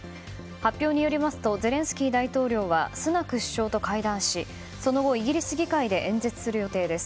発表によりますとゼレンスキー大統領はスナク首相と会談しその後、イギリス議会で演説する予定です。